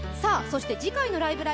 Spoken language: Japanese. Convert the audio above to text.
そして次回の「ライブ！